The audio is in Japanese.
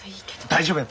大丈夫や！